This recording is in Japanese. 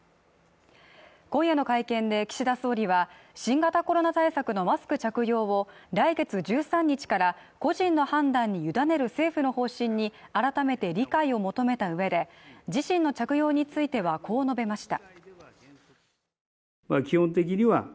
今夜の会見で岸田総理は新型コロナ対策のマスク着用を来月１３日から個人の判断に委ねる政府の方針に改めて理解を求めた上で自身の着用についてはこう述べました。